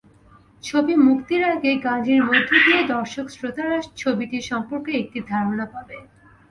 ছবি মুক্তির আগে গানটির মধ্য দিয়ে দর্শক-শ্রোতারা ছবিটি সম্পর্কে একটা ধারণা পাবেন।